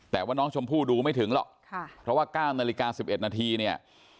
แต่ว่าน้องชมพู่ดูไม่ถึงหรอกเพราะว่า๙นาฬิกา๑๑นาทีเนี่ย